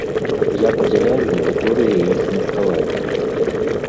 Я падзяляю некаторыя іх меркаванні.